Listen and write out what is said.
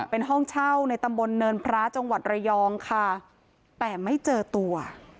เป็นห้องเช่าในตำบลเนินพระจังหวัดระยองค่ะแต่ไม่เจอตัว